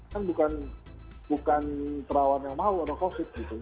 kan bukan pak terawan yang mau ada covid gitu